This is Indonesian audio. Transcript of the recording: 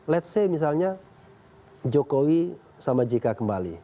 let's say misalnya jokowi sama jk kembali